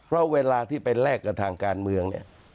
เพราะเวลาที่ไปแลกกับทางการเมืองเนี่ย